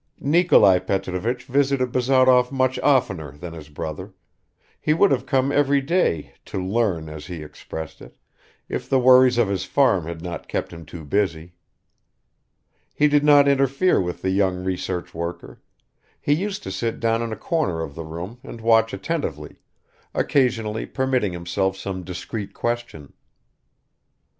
Nikolai Petrovich visited Bazarov much oftener than his brother; he would have come every day "to learn," as he expressed it, if the worries of his farm had not kept him too busy. He did not interfere with the young research worker; he used to sit down in a corner of the room and watch attentively, occasionally permitting himself some discreet question.